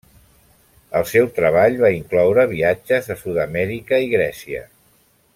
El seu treball va incloure viatges a Sud-amèrica i Grècia.